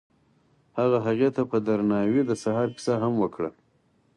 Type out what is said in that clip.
هغه هغې ته په درناوي د سهار کیسه هم وکړه.